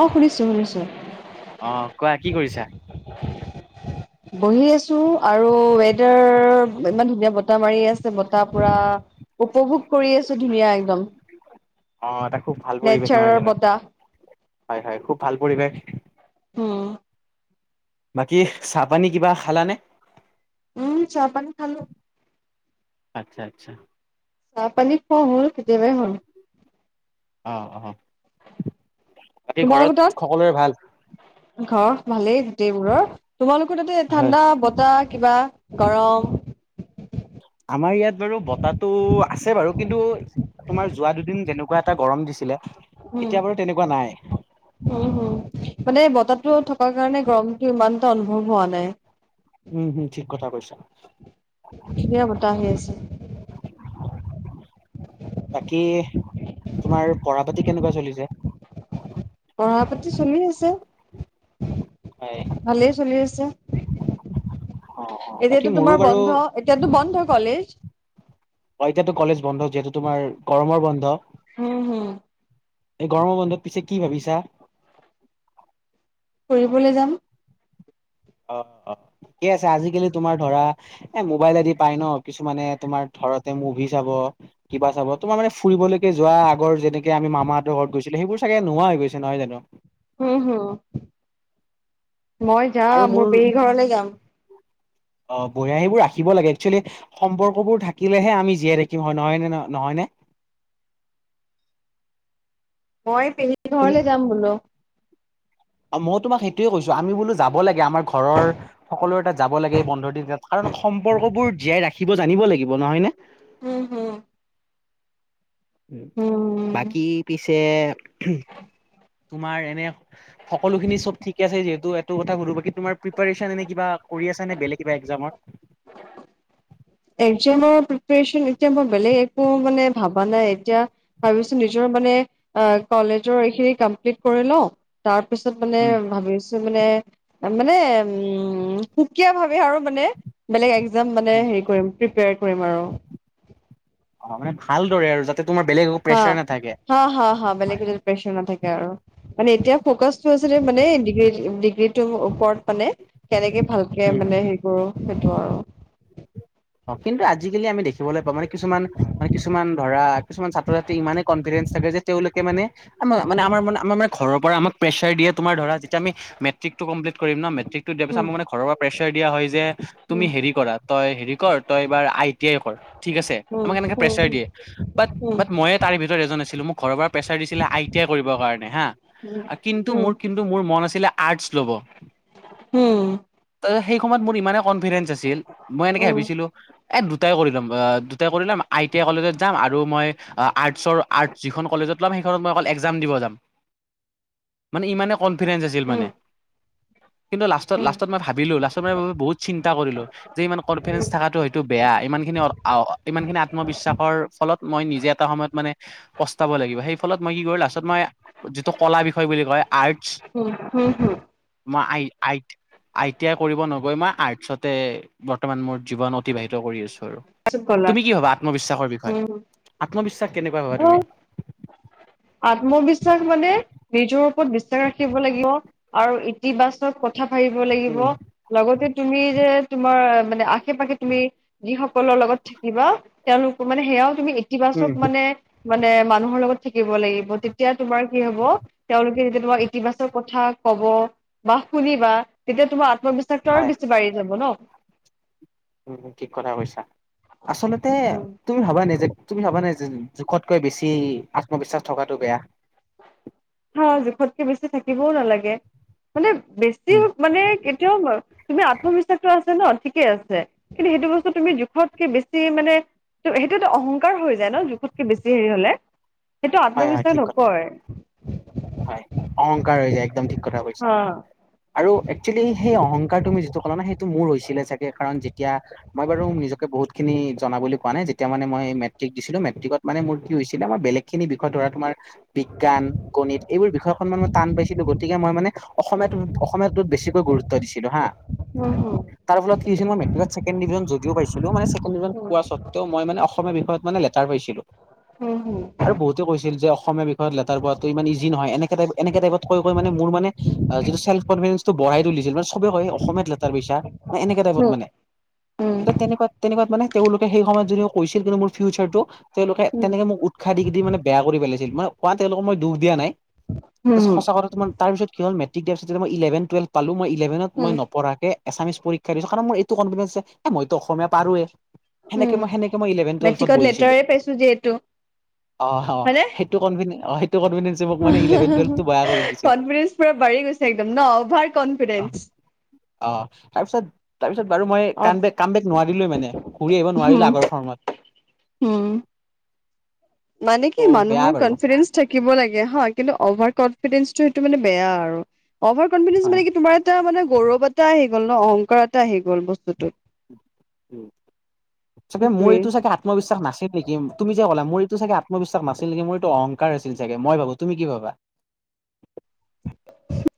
অ' শুনিছো। শুনিছো আহ কোৱা কি কৰিছা? বহি আছো আৰু ৱেডাৰ ইমান ধুনীয়া বতাহ মাৰি আছে বতাহ পুৰা উপভোগ কৰি আছো ধুনীয়া একদম। অ' এটা খুব ভাল পৰিৱেশ নহয় নেচাৰৰ জানো, বতাহ হয়, হয় খুব ভাল পৰিৱেশ। উম। বাকী চাহ পানী কিবা খালানে? উম চাহ পানী খালো। আচ্ছা আচ্ছা। চাহ পানি খোৱা হ'ল কেতিয়াবা হ'ল। অ', অ'। বাকী তোমাল ঘৰত লগত সকলোৰে ভাল? তাত ঘৰ ভালেই গোটেইবোৰৰ তোমালোকৰ তাতে হয়। ঠাণ্ডা বতাহ কিবা গৰম। আমাৰ ইয়াত বাৰু বতাহটো আছে বাৰু কিন্তু তোমাৰ যোৱা দুদিন যেনেকুৱা এটা গৰম দিছিলে। উম, এতিয়া বাৰু তেনেকুৱা নাই। উম, হম মানে বতাত টো থকাৰ কাৰণে গৰমতটো ইমানটা অনুভৱ হোৱা নাই। উম, হম ঠিক কথা কৈছা। ধুনীয়া বতাহ আহি [inaudible] বাকী তোমাৰ পঢ়া পাতি কেনেকুৱা চলিছে? পঢ়া পাতি চলি আছে হয় ভালেই চলি আছে। অ' অ' বাকী এতিয়াতো মোৰো তোমাৰ বাৰু বন্ধ এতিয়াতো বন্ধ কলেজ। অ' এতিয়াতো কলেজ বন্ধ যিহেতু তোমাৰ গৰমৰ বন্ধ। হম, হম। এই গৰমৰ বন্ধত পিছে কি ভাবিছা? ফুৰিবলৈ যাম। অ', অ' স আছে আজিকালি তোমাৰ ধৰা এ মোবাইল আদি পাই ন কিছুমানে তোমাৰ ঘৰতে মুভি চাব কিবা চাব তোমাৰ মানে ফুৰিবলৈকে যোৱা আগৰ যেনেকে আমি মামাহঁতৰ ঘৰত গৈছিলে সেইবোৰ চাগে নোহোৱা হৈ গৈছে ন। নহয় জানো। উম, হুম মই যাম মোৰ পেহী ঘৰলে যাম। [inaudible] অ' বঢিয়া সেইবোৰ ৰাখিব লাগে একচুৱেলি সম্পৰ্কবোৰ থাকিলেহে আমি জীয়াই ৰাখিম হয় নহয় নে ন নহয় ননে। মই পেহী ঘৰলে যাম বোলো। মই তোমাক সেইটোয়ে কৈছো আমি বোলো যাব লাগে আমাৰ ঘৰৰ সকলো এ তাত যাব লাগে এই বন্ধৰ দিনাত কাৰণ সম্পৰ্ক বোৰ জীয়াই ৰাখিব জানিব লাগিব নহয় নে। উম, হম। উম, বাকী পিছে তোমাৰ এনে সকলোখিনি চব ঠিক আছে যিহেতু এটো কথা সুধো বাকি তোমাৰ প্ৰিপ্যন এনে কিবা কৰি আছে নে বেলেগ কিবা একজামৰ। [inaudible] একজামৰ প্ৰিপচন এতিয়া মই বেলেগ একো মানে ভাবা নাই এতিয়া ভাবিছো নিজৰ [unintelligible] তাৰপিছত মানে উম, ভাবিছো মানে মানে উম সুকীয়া ভাবে আৰু মানে বেলেগ একজাম মানে হেৰি কৰিম কৰিম আৰু। অহ, মানে ভালদৰে আৰু যা হা, হা, হা, হা। বেলেগ দিনা প্ৰেছাৰ নাথাকে আৰু। মানে এতিয়া ফ্ৰকাচটো আছিলে মানে ডিগ্ৰী-ডিগ্ৰীটোৰ ওপৰত মানে, কেনেকে ভালকে উম। মানে হেৰি কৰো সেইটো আৰু। অহ, কিন্তু আজিকালি আমি দেখি দেখিবলৈ পাওঁ মানে কিছুমান, মানে কিছুমান ধৰা, কিছুমান ছাত্ৰ-ছাত্ৰী ইমানে কনফিডেঞ্চ থাকে। যে তেওঁলোকে মানে আমাৰ, মানে আমাৰ মানে, আমাৰ মানে ঘৰৰ পৰা আমাক প্ৰেচাৰ দিয়ে তোমাৰ ধৰা যেতিয়া আমি মেট্ৰিকটো কমপ্লিট কৰিম ন'। মে মেট্ৰিকটো দিয়াৰ পিছাত উম আমাক মানে ঘৰৰ পৰা প্ৰেচাৰ দিয়া হয় যে, তুমি হেৰি কৰা তই হেৰি কৰ তই এইবাৰ আই আই টি আই কৰ ঠিক আছে, উম উম আমাক এনেকে প্ৰেছাৰ দিয়ে বাট, উম বাট মইয়ে তাৰে ভিতৰত এজন আছিলোঁ, মোৰ ঘৰৰ পৰা প্ৰেছাৰ দিছিলে আই টি আই কৰিব কাৰণে হা, কিন্তু উম উম উম মোৰ কিন্তু মোৰ মন আছিলে আৰ্টছ ল'ব। হম। সেই সময়ত মোৰ ইমান কনফিডেঞ্চ আছিল মইে ভাবি এ দুটাই কৰি ল'ম, দুটাই কৰি ল'ম আই টি আই কলেজত যাম আৰু মই আৰ্টচৰ আৰ্ট যিখন কলেজ সেইখনত মই অকল এক্সাম দিব যাম। [inaudible] মানে ইমানেই কনফিডেঞ্চ আছিল মানে। কিন্তু লাষ্টত, উম লাষ্টত মই ভাবিলোঁ লাষ্ট মই বহুত চিন্তা কৰিলোঁ যে ইমান কনফিডেঞ্চ বেয়া ইমানখিনি অহ ইমানখিনি আত্মবিশ্বাসৰ ফলত মই নিজে এটা সময়ত মান প্ৰস্তাব প্ৰস্তাৱ লাগিব সেই ফলত মই কি কৰিলোঁ ৰাষ্ট্ৰ মই যিটো ক'লা বিষয় বুলি কয়, আৰ্ট হম, হম, হম। আই, আই টি আই কৰিব নগৈ মই আৰ্টছতে বৰ্তমান মোৰ জীৱন অতিবাহিত কৰি আছোঁ আৰু। তুমি কি ভাবা আত্মবিশ্বাস বিষয়ে, উম উম উম আত্মবিশ্বাস কেনেকুৱা ভবা তুমি? আত্মবিশ্বাস মানে নিজৰ ওপৰত বিশ্বাস ৰাখিব লাগিব আৰু ইতিবাচক কথা ভাবিব লাগিব, উম লগতে তুমি যে তোমাৰ মানে আশে-পাশে তুমি যিসকলৰ লগত থাকিবা তেওঁলোক মানে সেয়াও তুমি ইতিবাচক উম মানে, মানে মানুহৰ লগত থাকি থাকিব লাগিব তেতিয়া তোমাৰ কি হ'ব, তেওঁলোকে যেতিয়া তোমাৰ ইতিবাচৰ কথা কব বা শুনিবা তেতিয়া তোমাৰ আত্মবিশ্বাসতটো হয় আৰু বেছি বাঢ়ি যাব ন'। উম, ঠিক কথা কৈছা আচলতে উম তুমি ভাবা নে যে, তুমি ভাবা নাই যে উম, জোখতকৈ বেছি আত্মবিশ্বাস থকাটো বেয়া। হা, জোখতকে বেছি থাকিবও নালাগে, মানে বেছি হওঁক মানে কেতিয়াও তুমি আত্মবিশ্বাসটো আছে ন' ঠিকে আছে, কিন্তু সেইটো বস্তু তুমি জোখতকে বেছি মানে ত' সেইটো অহংকাৰ হৈ যায় ন' জোখতকে বেছি হেৰি হ'লে। সেইটো হয় হয় আত্মবিশ্বাস ঠিক কথা নকয়। হয়, অহংকাৰ হৈ যায় একদম ঠিক ঠিক কথা কৈছা হা আৰু একচেলি সেই অহংকাৰ তুমি যিটো কলা ন' সেইটো মোৰ হৈছে। থাকিলে চাগে কাৰণ যেতিয়া মই বাৰু নিজকে বহুতখিনি জনা বুলি কোৱা নাই, যেতিয়া মানে মই মেট্ৰিক দিছিলোঁ। মেট্ৰি মেট্ৰিকত মানে মোৰ কি হৈছিলে মোৰ বেলেগখিনি বিষয় ধৰা তোমাৰ বিজ্ঞান, গণিত যিটো বিষয়খন মান মই টান পাইছিলোঁ গতিকে মই মানে অসমীয়া, অসমীয়াটোত বেছিকৈ গুৰুত্ব দিছিলোঁ হা। হম, হম। তাৰফলত কি মেট্ৰিকত ছেকেণ্ড ডিভিজন যদিও পাইছিলোঁ, মানে ছেকেণ্ড ডিভিভজন হুম পোৱা স্বত্বেও মই মানে অস অসমীয়া বিষয়ত মানে লেটাৰ পাইছিলোঁ হুম হুম। আৰু বহুতে কৈছিল যে অসমীয়া বিষয়ত লেটাৰ পোৱাটো ইমান ইজি নহয় এনেকা টাইপ এনেকা টাইপত কৈ কৈ মানে মোৰ মানে অহ, যিটো চেল্ফ কনফিডেঞ্চটো বঢ়াই তুলিছিল মানে চবে কয়, অসম অসমীয়াত লেটাৰ পাইছা এনেকুৱা টাইপত মানে। উম উম ত' তেনেকুৱা, তেনেকুৱাত মানে তেওঁলোকে সেই সময়ত যদিও কৈছিল কিন্তু মোৰ ফিউচাৰটো তেওঁলোকে হুম তেনেকে মোক উৎসাহ দি দি মানে বেয়া কৰি পেলাইছিল, মই কোৱা তেওঁলোকক মই দুখ দিয়া নাই। হুম সঁচা কথা তোমাৰ তাৰপিছত কি হ'ল মেট্ৰিক দিয়াৰ পিছত মই ইলেভন টুৱেলভ পালোঁ মই ইলেভেনত মই উম নপঢ়াকে এছামিছ পৰীক্ষা দিছোঁ কাৰণ মোৰ এইটো কনফিডেঞ্চ যে মইো অসমীয়া পাৰোৱে সেনেকে উম। মই সেনেকে মই এলভিন টোৱালফ মেট্ৰিকত বহিছিলোঁ লেটাৰে পাইছো যিহেতু অ' হয়নে? সেইটো কোম্পানী মেভেল বয়া কৰি দিছিল। কনফিডেন্ঞ্চ পুৰা বাঢ়ি গৈছে একদম ন অভাৰ অ কনফিডেস। অ' তাৰপিছত তাৰপিছত তাৰিত বাৰু মই ক অ কাম বেক নোৱাৰিলোৱে মানে ঘূৰি আহিব নোৱাৰিলো আগৰ ফৰ্মত। উম। মানে কি ত' বেয়া মানুহৰ বাৰু কনফিডেন্স থাক শিকিব লাগে হ কিন্তু অভাৰ কনফিডেন্ঞ্চটো সেইটো মানে বেয়া আৰু। অভাৰ কনফিডেঞ্চ হয়। মানে কি তোমাৰ এটা মানে গৌৰৱ এটা আহি গ'ল ন অহংকাৰ এটা আহি গ'ল বস্তুটোত। তে মোৰ সেইটোৱে। এইটো চাগে আত্মবিশ্বাস নাছিল নেকি তুমি যে ক'লা মোৰটো ত চাগে আত্মবিশ্বাস নাছিলে মোৰ এইটো অহংকাৰ আছিল চাগে মই ভাবো, তুমি কি ভাবা? [unintelligible]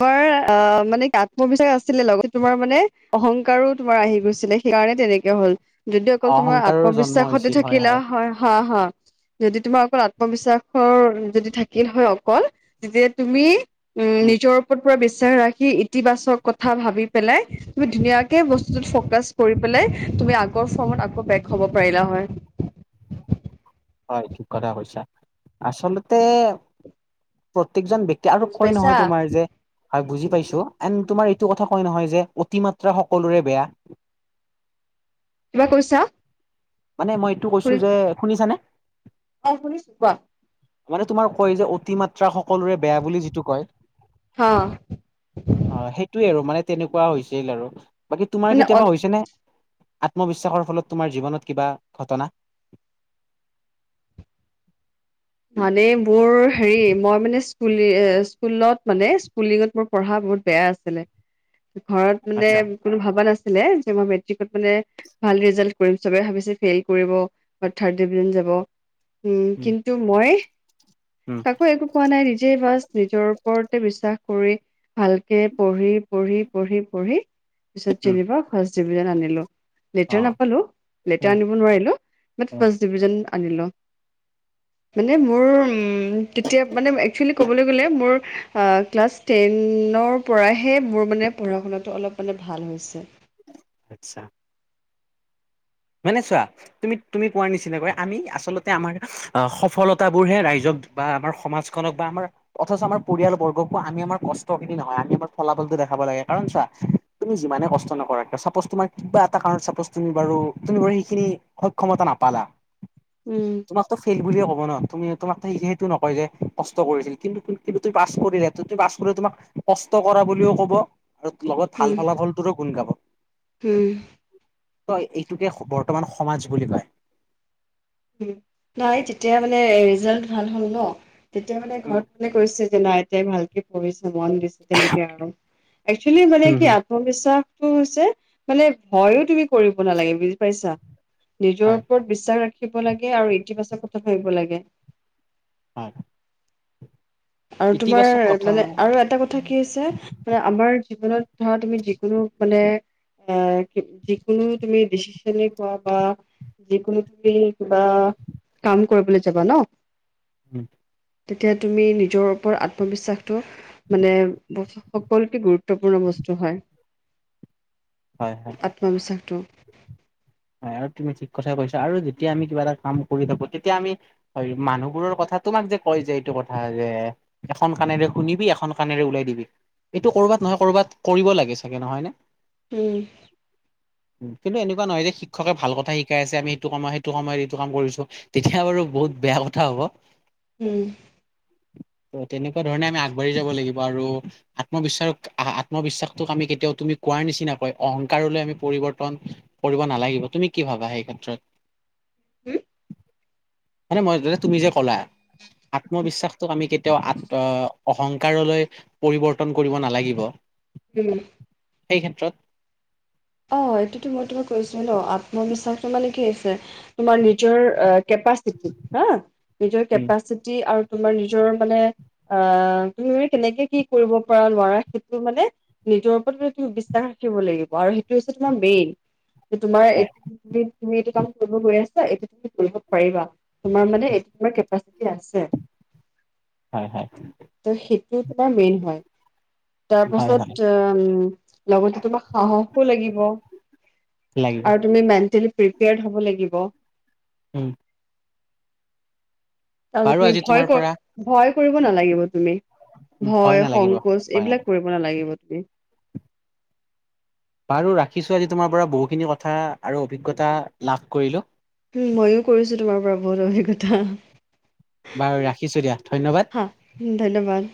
তোমাৰ অ মানে কি আত্মবি্বাস আছিলে লগত তোমাৰ মানে অহংকাৰো তোমাৰ আহি গৈছিলে সেই কাৰণে তেনেকে হ'ল যদি অকল তোমাৰ অহংকাৰৰ জন্ম আত্মবিশ্বাসতে হৈছিল থাকিলা হয় হা হা যদি তোমাৰ অকল আত্মবিশ্বাসৰ যদি থাকিল হয় অকল তেতিয়া তুমি উম নিজৰ পৰা বিচাৰ ৰাখি ইতিবাচক কথা ভাবি পেলাই তুমি ধুনীয়াকে বস্তুতত ফকাচ কৰি পেলাই তুমি আগৰ ফৰ্মত আকৌ বেক হ'ব পাৰিলা হয়। হয় ঠিক কথা কছা আচলতে প্ৰত্য়েকজন ব্ক্তি আৰু বুজি কয় পাইছা নহয় তোমাৰ যে হয় বুজি পাইছো এন তোমাৰ এইটো কথা কয় নহয় যে অতি মাত্ৰা সকলোৰে বেয়া। কিবা কৈছা? মানে মই এইটো কৈছো যে শুনিছানে? অ' শুনিছো কুৱোৱা। মানে তোমাৰ কয় যে অতি মাত্ৰা সকলোৰে বে যিটো কয় হা সেইে আৰু মানে তেনেকুৱা হৈছিল আৰু বাকী তোমাৰ কেতিয়াবা মানে হৈছে নে আত্মবিশ্বাসৰ ফলত তোমাৰ জীৱনত কিবা ঘটনা। মানে মোৰ হেৰি মই মানে স্কুলি স্কুলত মানে স্কুলিঙত মোৰ পঢ়া বহুত বেয়া আছিলে ঘৰত মানে আচ্ছা কোনো ভবা নাছিল যে মই মেট্ৰিক মানে ভাল ৰিজাল্ট কৰিম চোবাই ভাবিছে ফাইল কৰিব বাত থিৰ্ড ডিভিজন যাব উম, উম, কিন্তু মই উম, কাকো একো পোৱা নাই নিজেই বাছ নিজৰ ওপৰতে বিশ্বাস কৰি ভালকে পঢ়ি পঢ়ি পঢ়ি পঢ়ি পিছত উম, যেনিবা ফাৰ্ষ্ট ডিভিজন আনিলো। লেটাৰ অ', নাপালো লেটাৰ উম, আনিব নোৱাৰিলো উম। ফাৰ্ষ ডিভিজন আনিলো মানে মোৰ উ তেতিয়া মানে একচুৱেলি ক'বলৈ গ'লে মোৰ ক্লাছ টেনৰ পৰাহে মোৰ মানে পঢ়া শুনাতটো অলপ মানে ভাল হৈছে। আচ্ছা। মানে চোৱা তুমি তুমি কোৱাৰ নিচিিননাাক আমি আচলতে আমাৰ আহ সফলতাাবোৰ হে ৰাইজৰ বা আমাৰ সমাজখনক বা আমাৰ অথচ আমাৰ পৰিয়ালবৰ্গক বাো আমি আমাৰ কষ্ট খিনি নহয় আমি আমাৰ ফলাফল ল তু যি না এুি বাৰু [unintelligible] তুমি বাৰ সেইখিনি সক্ষমতা নাপালা। উম। ফাইল বুলিয়ে ক'ব ন তুমি তোমাক সেইটো নকয় যে কষ্ট কৰিছিল কিন্তু তু পাছ কৰিলে। তোমাক কষ্ট কৰা বুলিও ক'ব আৰু লগত ভাল ফলাফলটোৰো গুণ গাব। হম। তই এইটোকে বৰ্তমান সমাজ বুলি কয়। উ নাই তেতিয়া মানে ৰিজাল্ট ভাল হ'ল ন। তেতিয়া মানে উম, ঘৰত মানে কৈছে যে নাই এাই ভালকে পঢ়িছ মন দিছে তেনেকে আৰু একচেলি মানে হম, কি হম। আত্মবিশ্বাস টো হৈছে, মানে ভয়ো তুমি কৰিব নালাগে বুজি পাইছা। নিজৰ হয়, ওপৰত বিশ্বাস ৰাখিব লাগে আৰু ইতিবাচক কথা ভাবিব লাগে। হয়। আৰু তোমাৰ ইতিবাচক মানে কথাবোৰে আৰু এটা কথা কি হৈছে মান আমাৰ জীৱনত ধৰ, তুমি যিকোনো মানে। আহ, যিকোনো তুমি ডিচিশনে কোৱা বা যিকোনো তুমি কিবা। কাম কৰিবলৈ যাবা ন। উম, তেতিয়া তুমি নি নিজৰ ওপৰত আত্মবিশ্বাসটো মানে সকলোকে গুৰুত্বপূৰ্ণ বস্তু হয়। হয়, হয়। আত্মবিশ্বাসটো। হয় আৰু তুমি ঠিক কথাই কৈছা, আৰু যেতিয়া আমি কিবা, এটা কাম কৰি থাকো তেতিয়া আমি হয় মানুহবোৰৰ কথা তোমাক। যে কয় যে এইটো কথা যে এখন কােৰে শুনিবি, এখন কাণেৰে উলাই দিবি। এইটো কৰ'বাত নহয় কৰবাত কৰিব লাগে চাগে নহয় নে। উম, উ, কিন্তু এনেকুৱা নহয় যে শিক্ষকে ভাল কথা শিকাই আছে আমি সেইটো কামত সেইটো সময়ত এইটো কাম কৰিছো তেতিয়া বাৰু বহুত বেয়া কথা হ'ব। উম, ত, তেনেকুৱা ধৰণে আমি আগবাঢ়ি যাব লাগিব আৰু আত্মবিশ্বাস আত্মবিশ্বাসটোক আমি কেতিয়াওঁ। তুমি কোৱাৰ নিচিনাকয় অহংকাৰলৈ আমি পৰিৱৰ্তন কৰিব নালাগিব। তুমি কি ভাবা, সেই ক্ষেত্ৰত। [unintelligible] মানে মই তুমি যে ক'লা। আত্মবিশ্বাসটোক আমি কেতিয়াও আত, অহংকাৰলৈ পৰিৱৰ্তন কৰিব নালাগিব। উম, সেই ক্ষেত্ৰত। অ, এইটোতো মই তোমাক কৈছো ন আত্মবিশ্বাস তো মানে কি হৈছে তোমাৰ। নিজৰ কেপাচিটি হা, নিজৰ উম কেপাচিটি আৰু তোমাৰ নিজৰ মানে। অ, তুমি মানে কেনেকে কি কৰিব পৰাাৰ লৰা সেইটো মানে নিজৰ ওপৰত তুমি বিশ্বাস। থাকিব লাগিব আৰু সেইটো হৈছে তোমাৰ মেইন, যে তোমাৰ হয় এতিয়া। তুমি এইটো কাম কৰিব লৈ আছা এইটো তুমি কৰিব পাৰিবা তোমাৰ মানেটো আছে। হয়, হয়। ত' সেইটো তোমাৰ মেইন হয়। তাৰ হয় হয় পাছত উম, লগতে তোমাৰ সাহস। আৰু তুমি, মেণ্টেলি লাগিব প্ৰিপয়াৰড হ'ব লাগিব। উম, তলে বাৰু তুমি আজি ভয় তোমাৰ কৰ পৰা ভয়। কৰিব নালাগিব তুমি ভয় নালাগিব সংকোচ ভয় এইবিলাক নালাগিব কৰিব নালাগিব। [unintelligible] বাৰু ৰাখিছো আজি তোমাৰ পৰা বহুখিনি কথা আৰু অভিজ্ঞতা লাভ কৰিলো। উ, ময়ো কৰিছো তোমাৰ পৰা বহুত অভিজ্ঞতা। বাৰু ৰাখিছো দিয়া ধন্যবাদ হয়, ধন্যবাদ।